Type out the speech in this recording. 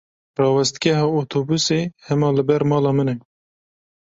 Rawestgeha otobûsê hema li ber mala min e.